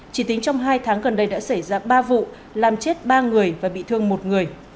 chỉ tính trong hai tháng gần đây đã xảy ra ba vụ làm chết ba người và bị thương một người